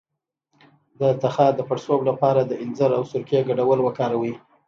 د تخه د پړسوب لپاره د انځر او سرکې ګډول وکاروئ